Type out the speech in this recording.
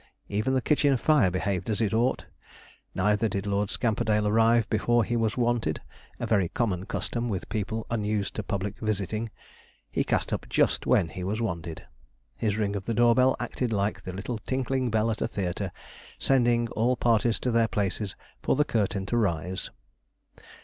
Even the kitchen fire behaved as it ought. Neither did Lord Scamperdale arrive before he was wanted, a very common custom with people unused to public visiting. He cast up just when he was wanted. His ring of the door bell acted like the little tinkling bell at a theatre, sending all parties to their places, for the curtain to rise.